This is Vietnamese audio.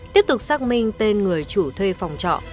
tiếp tục xác minh tên người chủ thuê phòng trọ